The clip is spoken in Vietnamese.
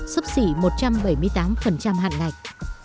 sắp xỉ một trăm bảy mươi tám hạn ngạch